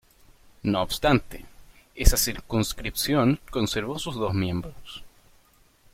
No obstante, esa circunscripción conservó sus dos miembros.